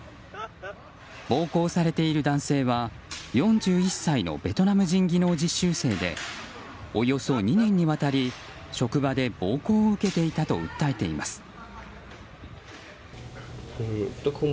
暴行されている男性は４１歳のベトナム人技能実習生でおよそ２年にわたり職場で暴行を受けていたと訴えています。